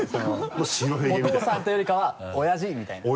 「お父さん」というよりかは「おやじ」みたいな。